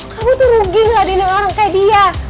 kamu tuh rugi ngeladinin orang kayak dia